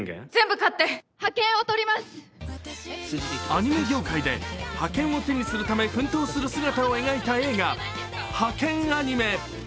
アニメ業界で覇権を手にするため奮闘する姿を描いた映画、「ハケンアニメ！」。